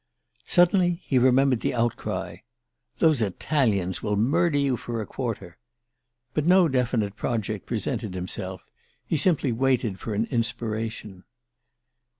Suddenly he remembered the outcry: "Those Italians will murder you for a quarter!" But no definite project presented itself: he simply waited for an inspiration.